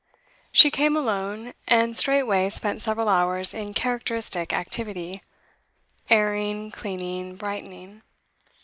She came alone, and straightway spent several hours in characteristic activity airing, cleaning, brightening.